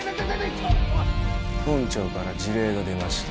本庁から辞令が出ました。